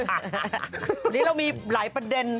อันนี้เรามีหลายประเด็น